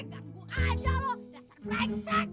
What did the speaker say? ganggu aja lo dasar benseng